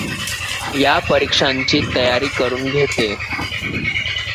या परीक्षांची तयारी करून घेते.